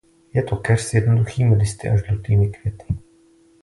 Je to keř s jednoduchými listy a žlutými květy.